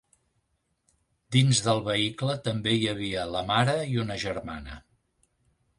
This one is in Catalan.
Dins del vehicle també hi havia la mare i una germana.